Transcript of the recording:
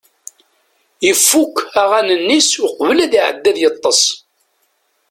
Ifukk aɣanen-is uqbel ad iɛeddi ad yeṭṭes.